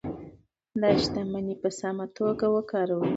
دا شتمني په سمه توګه وکاروئ.